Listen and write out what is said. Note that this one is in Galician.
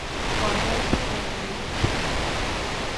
Coa volta de Nolito.